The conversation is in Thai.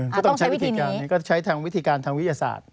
ก็ต้องใช้วิธีการนี้ก็ใช้ทางวิธีการทางวิทยาศาสตร์